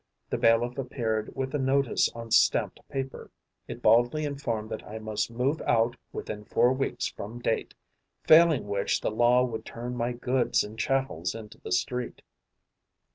The bailiff appeared with a notice on stamped paper. It baldly informed that I must move out within four weeks from date, failing which the law would turn my goods and chattels into the street.